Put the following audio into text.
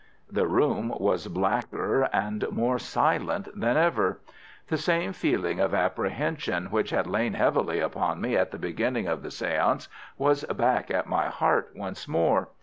The room was blacker and more silent than ever. The same feeling of apprehension which had lain heavily upon me at the beginning of the séance was back at my heart once more.